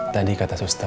tadi kata susta